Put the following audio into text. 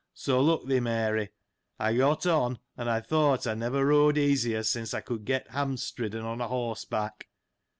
So, look thee, Mary, I got on, and I thought I never rode easier since I could get ham stridden on horse back.